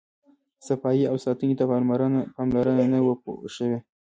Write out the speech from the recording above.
صفایي او ساتنې ته پاملرنه نه وه شوې.